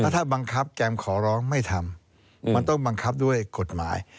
ถ้าบังคับแจมขอร้องไม่ทำมันต้องบังคับด้วยกฎหมาย